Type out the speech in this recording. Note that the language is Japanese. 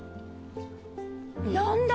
何だ？